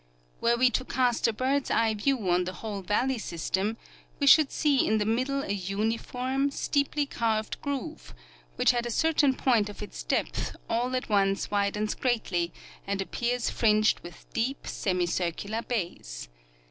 Were we to cast a birdseye view on the whole valley system we should see in the middle a uniform, steeply carved groove, which at a certain point of its depth all at once widens greatly and appears fringed with deep, semicircular bays.